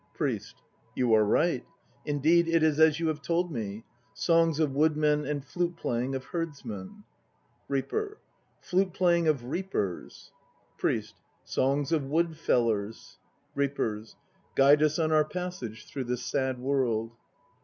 PRIEST. You are right. Indeed it is as you have told me. Songs of woodmen and flute playing of herdsmen ... REAPER. Flute playing of reapers ... PRIEST. Songs of wood fellers .. REAPERS. Guide us on our passage through this sad world.